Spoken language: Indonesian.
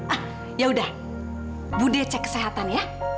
ah yaudah bu decek kesehatan ya